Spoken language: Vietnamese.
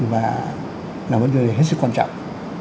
và làm vấn đề này hết sức quan trọng